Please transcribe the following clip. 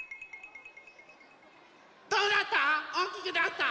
どうだった？